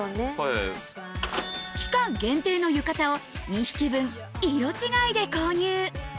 期間限定の浴衣を２匹分色違いで購入